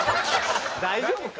大丈夫か？